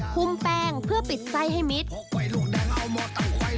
คุมแป้งเพื่อปิดไส้ให้มิด